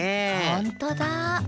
ほんとだ。